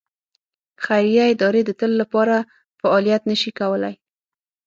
خیریه ادارې د تل لپاره فعالیت نه شي کولای.